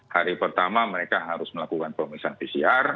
hari pertama mereka harus melakukan pemeriksaan pcr